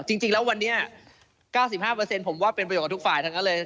จริงแล้ววันนี้๙๕ผมว่าเป็นประโยชนกับทุกฝ่ายทั้งนั้นเลย